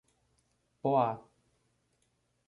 Poá